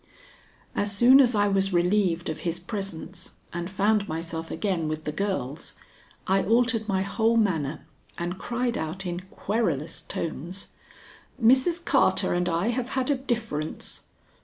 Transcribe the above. As soon as I was relieved of his presence and found myself again with the girls, I altered my whole manner and cried out in querulous tones: "Mrs. Carter and I have had a difference."